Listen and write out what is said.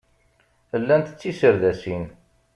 Llant d tiserdasin.